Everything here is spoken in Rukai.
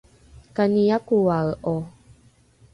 kani akoae’o?